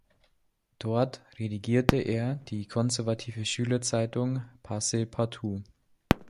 Dort redigierte er die konservative Schülerzeitung "Passepartout".